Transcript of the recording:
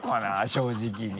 正直に。